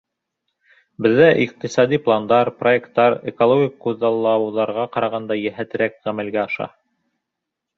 Беҙҙә иҡтисади пландар, проекттар экологик күҙаллауҙарға ҡарағанда йәһәтерәк ғәмәлгә аша.